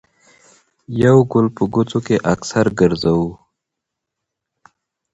يو ګل په ګوتو کښې اکثر ګرځوو